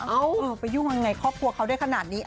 เออไปยุ่งยังไงครอบครัวเขาได้ขนาดนี้